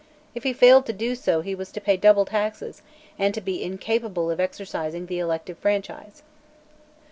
If he failed to do so he was to pay double taxes and to be incapable of exercising the elective franchise.